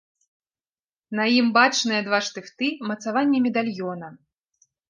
На ім бачныя два штыфты мацавання медальёна.